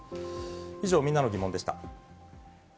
以上、みんなのギモンでした。